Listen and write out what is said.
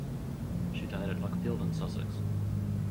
She died at Uckfield in Sussex.